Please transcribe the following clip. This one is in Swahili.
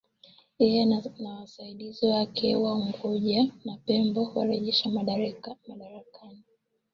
yeye na wasaidizi wake ugunja na pembo warejeshwe madarakani